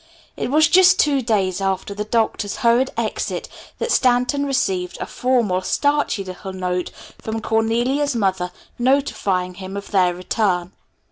It was just two days after the Doctor's hurried exit that Stanton received a formal, starchy little note from Cornelia's mother notifying him of their return.